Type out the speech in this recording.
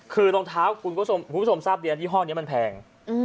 คือรองเท้าคุณผู้ชมทราบดียี่ห้อนี้มันแพง